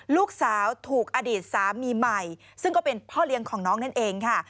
ลูกสาวถูกอดีตสามีใหม่ซึ่งก็เป็นพ่อเลี้ยงของน้องนั่นเองค่ะ